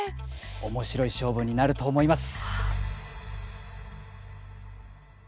面白い勝負になると思います！